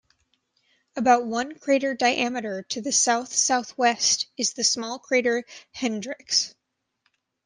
About one crater diameter to the south-southwest is the small crater Hendrix.